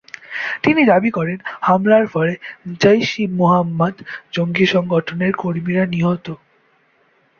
তিনি দাবি করেন, হামলার ফলে জইশ-ই-মুহাম্মদ জঙ্গি সংগঠনের কর্মীরা নিহত।